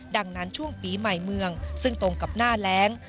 ดังนั้นช่วงปีใหม่เมืองซึ่งตรงกับหน้าแรง